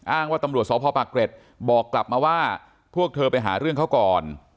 ว่าตำรวจสพปากเกร็ดบอกกลับมาว่าพวกเธอไปหาเรื่องเขาก่อน